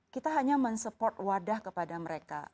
kita hanya men support wadah kepada mereka